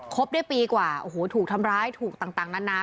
บได้ปีกว่าโอ้โหถูกทำร้ายถูกต่างนานา